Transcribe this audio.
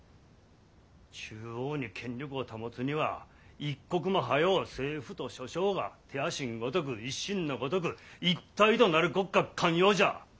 中央に権力を保つには一刻も早う政府と諸省が手足んごとく一身のごとく一体となるこっが肝要じゃ。